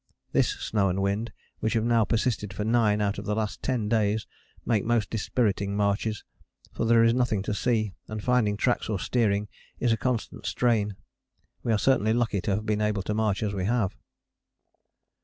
This snow and wind, which have now persisted for nine out of the last ten days, make most dispiriting marches; for there is nothing to see, and finding tracks or steering is a constant strain. We are certainly lucky to have been able to march as we have.